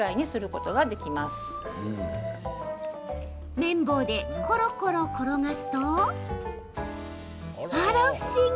麺棒でコロコロ転がすとあら不思議！